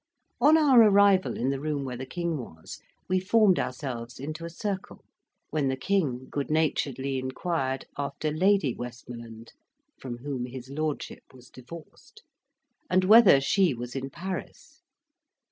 On our arrival in the room where the King was, we formed ourselves into a circle, when the King good naturedly inquired after Lady Westmoreland, from whom his lordship was divorced, and whether she was in Paris.